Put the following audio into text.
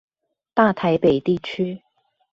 大台北地區